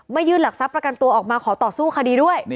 ยื่นหลักทรัพย์ประกันตัวออกมาขอต่อสู้คดีด้วย